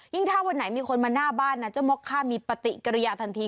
ถ้าวันไหนมีคนมาหน้าบ้านนะเจ้าม็อกค่ามีปฏิกิริยาทันที